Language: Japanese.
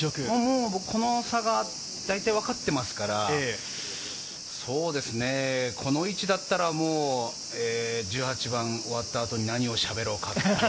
この差が大体分かっていますから、この位置だったら、もう１８番終わったあとに何をしゃべろうかとか。